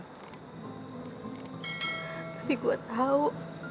tapi gue tahu